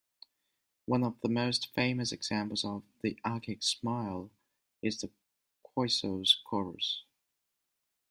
One of the most famous examples of the Archaic Smile is the Kroisos Kouros.